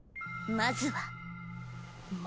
まずは。